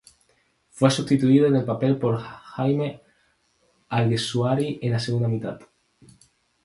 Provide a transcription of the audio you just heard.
Fue sustituido en el papel por Jaime Alguersuari en la segunda mitad.